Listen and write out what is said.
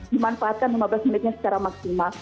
dimanfaatkan lima belas menitnya secara maksimal